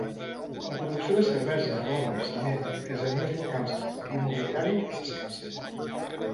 La producció de cervesa, roba, ciment, artesanies locals i mobiliari és escassa.